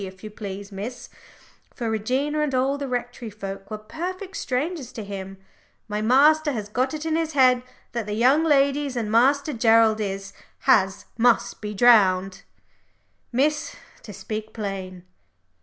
if you please, Miss," for Regina and all the Rectory folk were perfect strangers to him "my master has got it in his head that the young ladies and Master Gerald is has must be drowned, Miss, to speak plain."